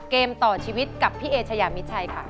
เกมต่อชีวิตกับพี่เอชายามิดชัยค่ะ